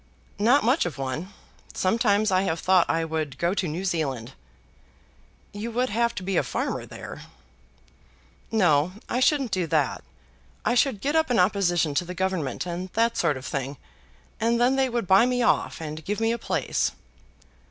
"Not much of one. Sometimes I have thought I would go to New Zealand." "You would have to be a farmer there." "No; I shouldn't do that. I should get up an opposition to the Government and that sort of thing, and then they would buy me off and give me a place."